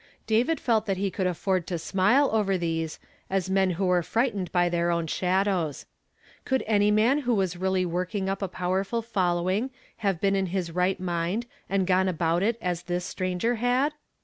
David felt that he could afford to smile over these, as men who were frightened by their own shadows. Could any man who was really work mg up a p' vcrful following have been in his right mind and gone about it as this stranger had?